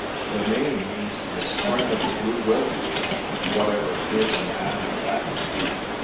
The name means the Spring of the blue wildebeeste,' what ever fearsome animal that may be.